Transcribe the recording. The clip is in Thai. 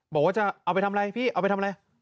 บอกว่าจะเอาไปทำอะไรพี่เอาไปทำอะไร